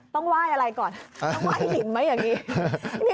ต้องไหว้อะไรก่อนต้องไหว้หินไหมอย่างนี้